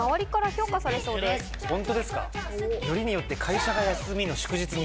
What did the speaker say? よりによって会社が休みの祝日に。